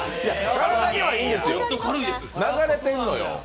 体にはいいんですよ、流れてるのよ。